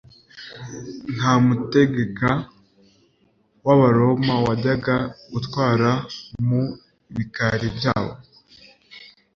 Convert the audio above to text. nta mutegeka w'abaroma wajyaga gutwara mu bikari byabo.